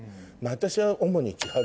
私は主に。